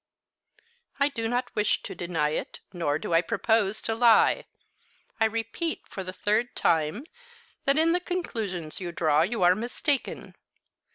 "I do not wish to deny it, nor do I propose to lie. I repeat, for the third time, that in the conclusions you draw you are mistaken.